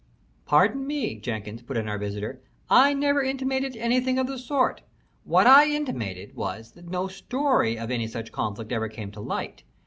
"Pardon me, Jenkins," put in my visitor. "I never intimated anything of the sort. What I intimated was that no story of any such conflict ever came to light.